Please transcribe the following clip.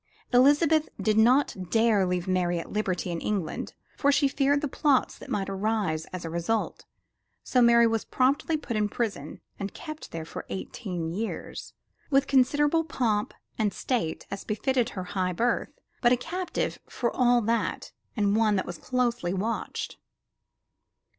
Elizabeth did not dare leave Mary at liberty in England, for she feared the plots that might arise as a result, so Mary was promptly put in prison and kept there for eighteen years, with considerable pomp and state as befitted her high birth, but a captive for all that and one that was closely watched.